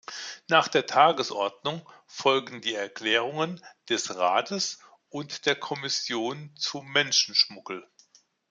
Nach der Tagesordnung folgen die Erklärungen des Rates und der Kommission zum Menschenschmuggel.